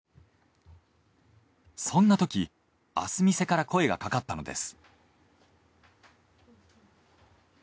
そんなとき明日見世から声がかかったのです。